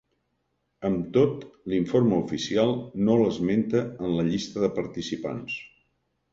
Amb tot, l'Informe Oficial no l'esmenta en la llista de participants.